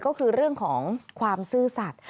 ก็คือเรื่องของความซื่อสัตว์